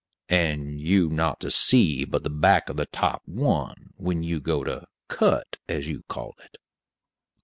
"And you not to see but the back of the top one, when you go to 'cut,' as you call it?"